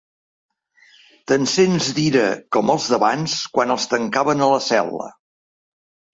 T'encens d'ira com els d'abans quan els tancaven a la cel·la.